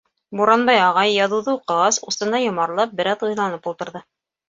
Буранбай ағай, яҙыуҙы уҡығас, усына йомарлап, бер аҙ уйланып ултырҙы.